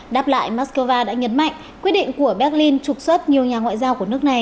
đáp lại moscow đã nhấn mạnh quyết định của berlin trục xuất nhiều nhà ngoại giao của nước này